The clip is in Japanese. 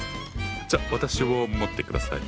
じゃ私をもって下さい。